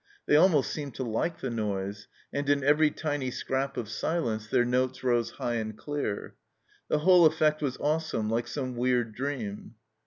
They almost seemed to like the noise, and in every tiny scrap of silence their notes rose high and clear. The whole effect was awesome, like some weird dream.